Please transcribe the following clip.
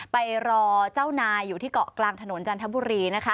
ไปรอเจ้านายอยู่ที่เกาะกลางถนนจันทบุรีนะคะ